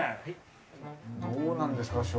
どうなんですか